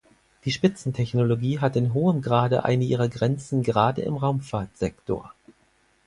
Die Spitzentechnologie hat in hohem Grade eine ihrer Grenzen gerade im Raumfahrtsektor.